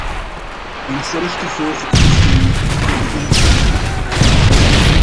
Mensenrechten voor vluchtelingen komen in het gedrang.